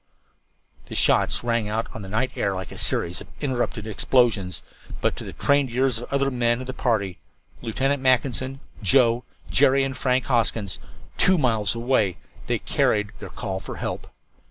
The shots rang out on the night air like a series of interrupted explosions. But to the trained ears of the other men of the party Lieutenant Mackinson, Joe, Jerry and Frank Hoskins two miles away, they carried their call for help.